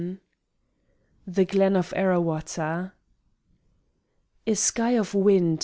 The Glen of Arrawatta A sky of wind!